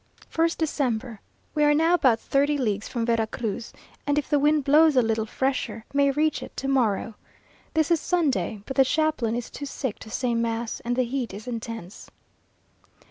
1st December. We are now about thirty leagues from Vera Cruz, and if the wind blows a little fresher, may reach it to morrow. This is Sunday, but the chaplain is too sick to say mass, and the heat is intense.